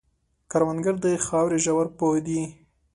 کروندګر د خاورې ژور پوه دی